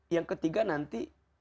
yang ketiga nanti